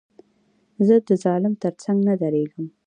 زه د ظالم تر څنګ نه درېږم.